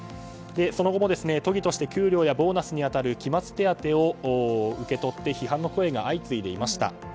その後も、都議として給料やボーナスに当たる期末手当を受け取って批判の声が相次いでいました。